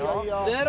０。